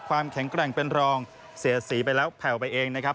ความแข็งแกร่งเป็นรองเสียสีไปแล้วแผ่วไปเองนะครับ